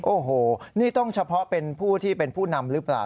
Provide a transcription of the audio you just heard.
โอ้โหนี่ต้องเฉพาะเป็นผู้ที่เป็นผู้นำหรือเปล่า